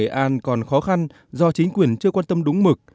đề an còn khó khăn do chính quyền chưa quan tâm đúng mực